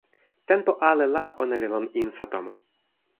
tenpo ale la ona li lon insa tomo.